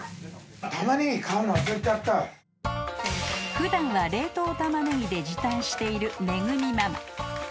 ［普段は冷凍タマネギで時短しているめぐみママ］